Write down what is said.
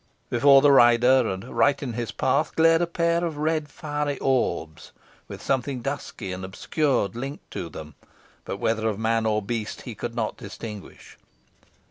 Before the rider, and right in his path, glared a pair of red fiery orbs, with something dusky and obscure linked to them; but whether of man or beast he could not distinguish.